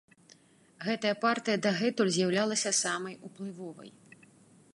Гэтая партыя дагэтуль з'яўлялася самай уплывовай.